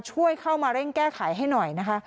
ช่วยเข้ามาเร่งแก้ไขให้หน่อยนะคะ